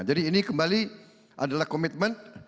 jadi ini kembali adalah komitmen